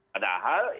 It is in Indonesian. padahal misalkan tadi